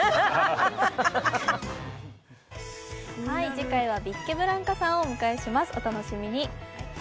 次回はビッケブランカさんをお迎えします、お楽しみに。